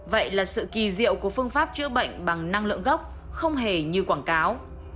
vậy là sự kỳ diệu của phương pháp chữa bệnh bằng năng lượng gốc không hề như quảng cáo